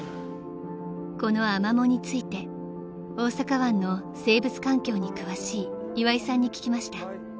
［このアマモについて大阪湾の生物環境に詳しい岩井さんに聞きました］